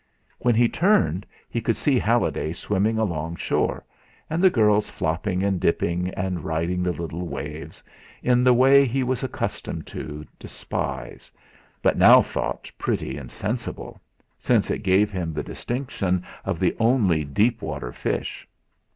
When he turned he could see Halliday swimming along shore, and the girls flopping and dipping, and riding the little waves, in the way he was accustomed to despise, but now thought pretty and sensible, since it gave him the distinction of the only deep water fish.